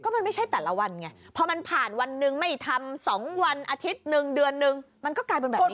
มันไม่ใช่แต่ละวันไงพอมันผ่านวันหนึ่งไม่ทำ๒วันอาทิตย์หนึ่งเดือนนึงมันก็กลายเป็นแบบนี้